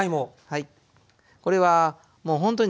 はい。